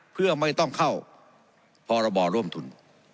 ก็ไม่ต้องเข้าพรรร่วมทุน